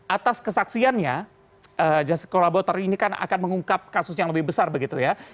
atas kesaksiannya jastis kolaborator ini akan mengungkap kasus yang lebih besar begitu ya